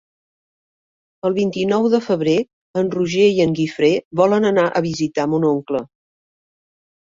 El vint-i-nou de febrer en Roger i en Guifré volen anar a visitar mon oncle.